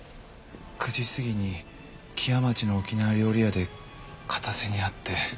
９時過ぎに木屋町の沖縄料理屋で片瀬に会って。